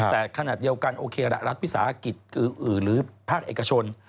แต่ขนาดเดียวกันรัฐวิสาหกิจหรือภาคเอกชน